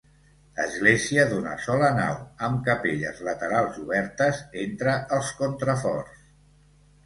Església d'una sola nau, amb capelles laterals obertes entre els contraforts.